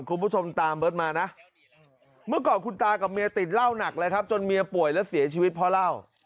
คุณผู้ชมตามเบิร์ตมานะเมื่อก่อนคุณตากับเมียติดเหล้าหนักเลยครับจนเมียป่วยและเสียชีวิตเพราะเหล้า